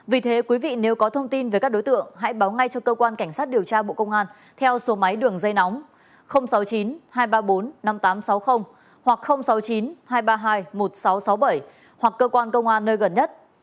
vì thế quý vị nếu có thông tin về các đối tượng hãy báo ngay cho cơ quan cảnh sát điều tra bộ công an theo số máy đường dây nóng sáu mươi chín hai trăm ba mươi bốn năm nghìn tám trăm sáu mươi hoặc sáu mươi chín hai trăm ba mươi hai một nghìn sáu trăm sáu mươi bảy hoặc cơ quan công an nơi gần nhất